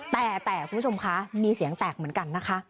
แต่คุณผู้ชมคะมีเสียงแตกเหมือนกันนะคะ